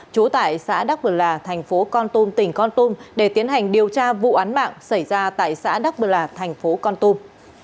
trú tại xã đắc bờ là thành phố con tum tỉnh con tum để tiến hành điều tra vụ án mạng xảy ra tại xã đắc bờ là thành phố con tum